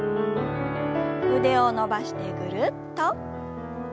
腕を伸ばしてぐるっと。